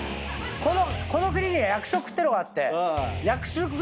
この国には役職ってのがあって。